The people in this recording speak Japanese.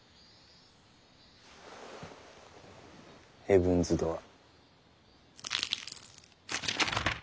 ヘブンズ・ドアー。